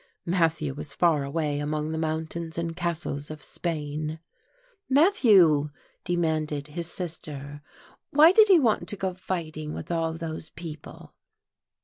Matthew was far away among the mountains and castles of Spain. "Matthew," demanded his sister, "why did he want to go fighting with all those people?"